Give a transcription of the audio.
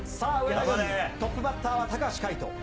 トップバッターは高橋海人。